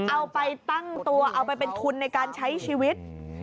เอาไปตั้งตัวเอาไปเป็นทุนในการใช้ชีวิต